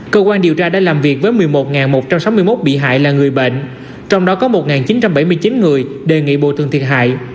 cơ quan điều tra đã làm việc với một mươi một một trăm sáu mươi một bị hại là người bệnh trong đó có một chín trăm bảy mươi chín người đề nghị bộ tường thiệt hại